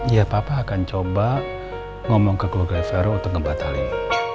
ya papa akan coba ngomong ke keluarga fero untuk ngebat hal ini